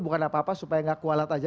bukan apa apa supaya nggak kualat aja